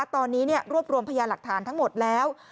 ตอนนี้รวบรวมพยาหลักฐานทั้งหมดแล้ว